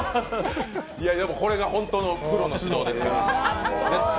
これが本当のプロの指導ですから。